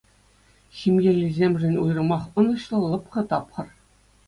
Ҫемьеллисемшӗн уйрӑмах ӑнӑҫлӑ, лӑпкӑ тапхӑр.